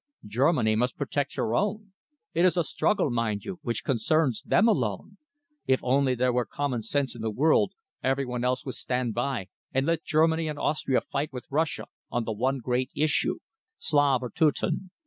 Germany must protect her own. It is a struggle, mind you, which concerns them alone. If only there were common sense in the world, every one else would stand by and let Germany and Austria fight with Russia on the one great issue Slav or Teuton."